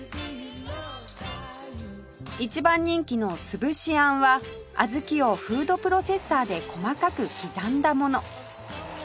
一番人気のつぶしあんは小豆をフードプロセッサーで細かく刻んだもの